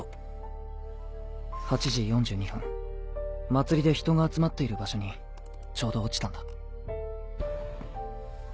祭りで人が集まっている場所にちょうど落ちたんだ。